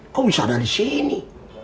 kok bisa ada disini